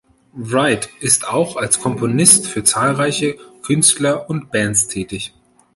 Wright ist auch als Komponist für zahlreiche Künstler und Bands tätig.